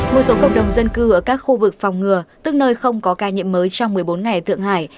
một số cộng đồng dân cư ở các khu vực phòng ngừa tức nơi không có ca nhiễm mới trong một mươi bốn ngày tượng hải